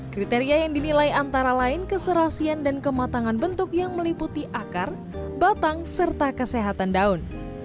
kriteria yang dinilai antara lain keserasian dan kematangan bentuk yang meliputi akar batang serta kesehatan daun